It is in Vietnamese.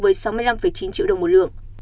với sáu mươi năm chín triệu đồng một lượng